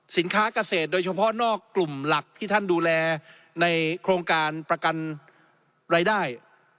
สินค้าเกษตรโดยเฉพาะนอกกลุ่มหลักที่ท่านดูแลในโครงการประกันรายได้